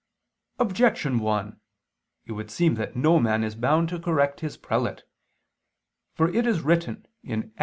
Objection 1: It would seem that no man is bound to correct his prelate. For it is written (Ex.